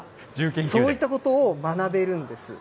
そういったことを学べるんです。